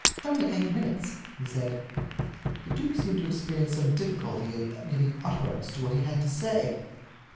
"Only eight minutes," he said. The duke seemed to experience some difficulty in giving utterance to what he had to say.